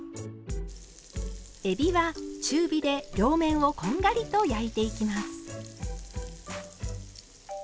えびは中火で両面をこんがりと焼いていきます。